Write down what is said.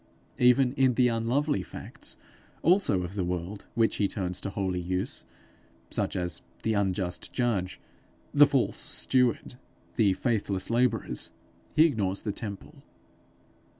Even in the unlovely facts also of the world which he turns to holy use, such as the unjust judge, the false steward, the faithless labourers, he ignores the temple.